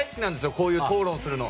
こういう討論するの。